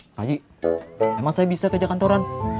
pak haji emang saya bisa kejek kantoran